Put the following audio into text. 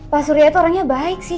pak surya itu orangnya baik sih